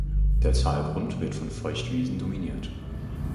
Der Talgrund wird von Feuchtwiesen dominiert.